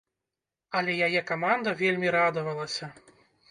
Але яе каманда вельмі радавалася.